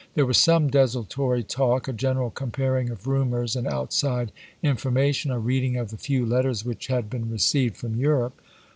There was some desultory talk, a general comparing of rumors and outside information, a reading of the few letters which had been received from Europe.